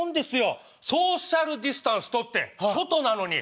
ソーシャルディスタンスとって外なのに。